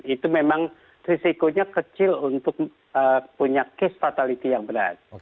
itu memang risikonya kecil untuk punya case fatality yang berat